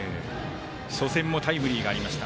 初戦もタイムリーがありました。